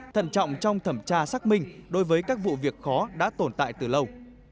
thần trọng trong thẩm tra xác minh đối với các vụ việc khó đã tồn tại từ lâu